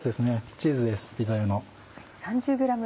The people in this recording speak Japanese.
チーズですピザ用の。